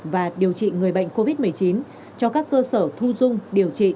và điều trị người bệnh covid một mươi chín cho các cơ sở thu dung điều trị